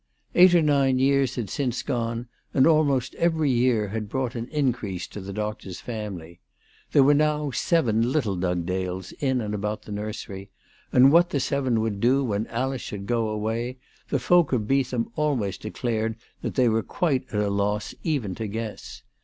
Eight or nine years had since gone, and almost every year had brought an increase to the doctor's family. There were now seven little Dugdales in and about the nursery ; and what the seven would do when Alice should go away the folk of Beetham always declared that they were quite at a loss even to guess.